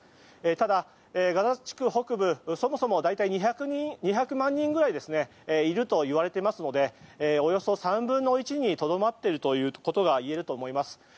ただガザ地区北部そもそも大体２００万人ぐらいいるといわれていますのでおよそ３分の１にとどまっているということがいえると思います。